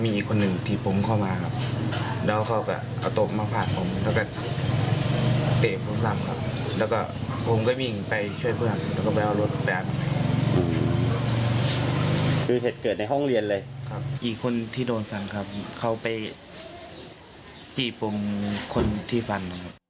อีกคนที่โดนฟันครับเขาไปจีบคนที่ฟัน